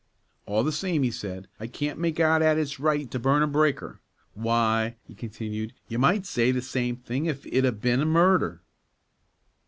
"All the same," he said, "I can't make out 'at it's right to burn a breaker. Why," he continued, "you might say the same thing if it'd 'a been murder."